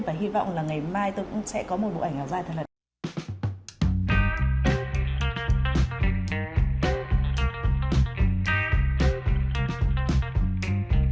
và hy vọng là ngày mai tôi cũng sẽ có một bộ ảnh áo dài thật là đẹp